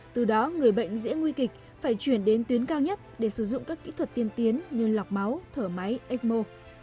từ đó người bệnh dễ nguy kịch phải chuyển đến tuyến cao nhất để sử dụng các kỹ thuật tiên tiến như lọc máu thở máy ecmo